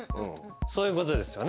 そういうことですよね。